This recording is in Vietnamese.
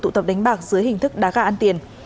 tụ tập đánh bạc dưới hình thức đá gà ăn tiền